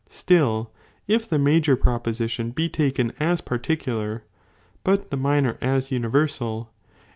Still if the major propositi takenasparticular.bat the minor as universal, and y.